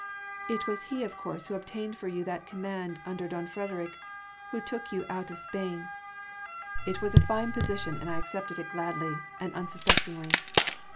"It was he of course who obtained for you that command under don Frederic, which took you out of Spain." "It was a fine position and I accepted it gladly ... and unsuspectingly."